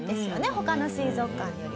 他の水族館より。